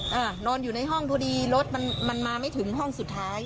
นอนอยู่ในห้องพอดีรถมันมันมาไม่ถึงห้องสุดท้าย